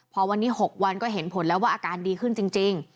พอวันนี้๖วันก็เห็นผลแล้วว่าอาการดีขึ้นจริง